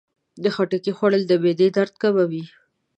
د خټکي خوړل د معدې درد کموي.